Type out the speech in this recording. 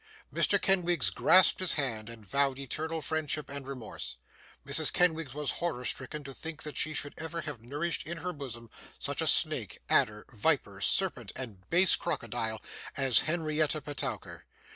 Mr. Kenwigs grasped his hand, and vowed eternal friendship and remorse. Mrs. Kenwigs was horror stricken to think that she should ever have nourished in her bosom such a snake, adder, viper, serpent, and base crocodile as Henrietta Petowker.